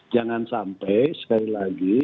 jangan sampai sekali lagi